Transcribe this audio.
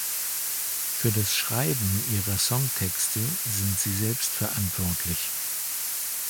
Für das Schreiben ihrer Songtexte sind sie selbst verantwortlich.